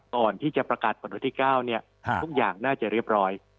ตอนที่จะประกาศปัจจุที่๙นี้ทุกอย่างน่าจะเรียบร้อย